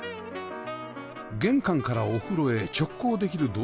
玄関からお風呂へ直行できる動線